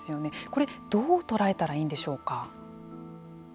これどう捉えたらいいんでしょうか。